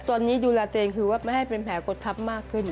ตอนนี้ดูแลตัวเองคือว่าไม่ให้เป็นแผลกดทับมากขึ้น